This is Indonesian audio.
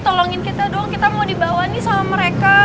tolongin kita doang kita mau dibawa nih sama mereka